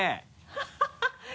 ハハハ